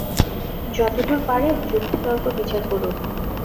যতদূর পারেন, যুক্তি-তর্ক-বিচার করুন।